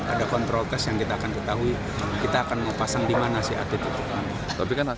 ada kontrol cash yang kita akan ketahui kita akan mau pasang di mana sih atlet itu